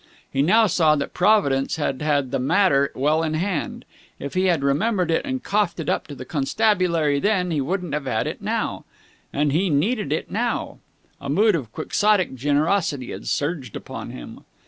He now saw that Providence had had the matter well in hand. If he had remembered it and coughed it up to the constabulary then, he wouldn't have had it now. And he needed it now. A mood of quixotic generosity had surged upon him.